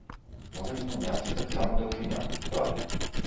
Можа змяняцца таксама даўжыня прыклада.